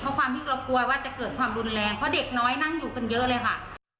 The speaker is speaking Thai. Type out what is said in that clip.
เพราะความที่เรากลัวว่าจะเกิดความรุนแรงเพราะเด็กน้อยนั่งอยู่กันเยอะเลยค่ะ